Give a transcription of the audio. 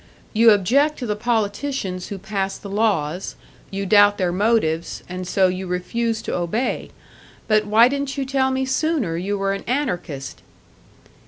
"You object to the politicians who pass the laws, you doubt their motives and so you refuse to obey. But why didn't you tell me sooner you were an anarchist?"